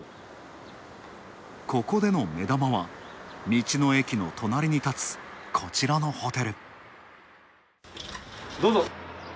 ここでの目玉は、道の駅の隣に建つこちらのホテル。